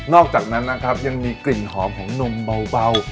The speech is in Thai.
อกจากนั้นนะครับยังมีกลิ่นหอมของนมเบา